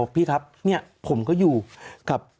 พี่ครับผมก็อยู่กับ